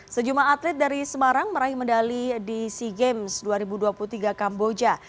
sejumlah atlet dari semarang meraih medali di sea games dua ribu dua puluh tiga kamboja